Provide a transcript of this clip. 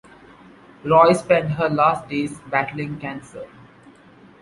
Roy spent her last days battling cancer.